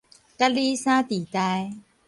佮你啥底代